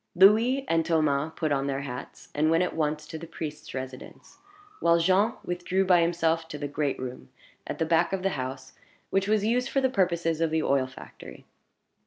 Louis and Thomas put on their hats, and went at once to the priest's residence; while Jean withdrew by himself to the great room at the back of the house, which was used for the purposes of the oil factory.